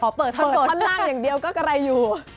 เปิดท่อนล่างอย่างเดียวก็ไกลอยู่